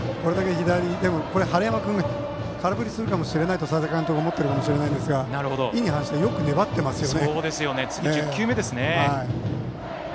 晴山君が空振りするかもしれないと佐々木監督は思ってるかもしれないんですが意に反してよく粘ってますよね。